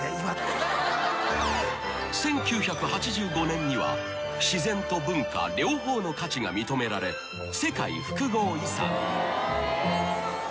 ［１９８５年には自然と文化両方の価値が認められ世界複合遺産に］